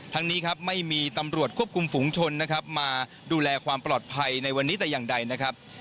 นี้ครับไม่มีตำรวจควบคุมฝุงชนนะครับมาดูแลความปลอดภัยในวันนี้แต่อย่างใดนะครับ